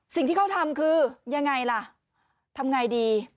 สิ่งที่เขาทำคือยังไงล่ะทำไงดี